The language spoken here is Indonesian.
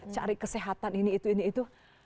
cari kesehatan ini itu ini itu